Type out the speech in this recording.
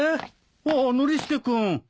ああノリスケ君。